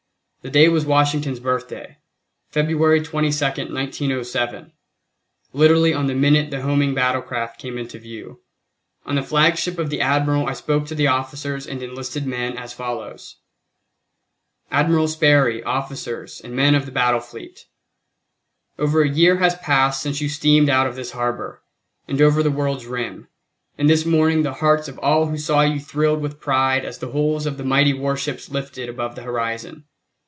The day was Washington's Birthday, February 22, 1907. Literally on the minute the homing battlecraft came into view. On the flagship of the Admiral I spoke to the officers and enlisted men, as follows: "Admiral Sperry, Officers and Men of the Battle Fleet: "Over a year has passed since you steamed out of this harbor, and over the world's rim, and this morning the hearts of all who saw you thrilled with pride as the hulls of the mighty warships lifted above the horizon.